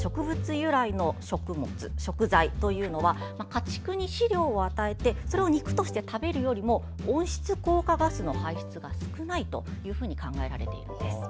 由来の食材というのは家畜に飼料を与えてそれを肉として食べるよりも温室効果ガスの排出が少ないと考えられているんです。